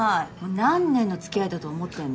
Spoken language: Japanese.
何年の付き合いだと思ってんの。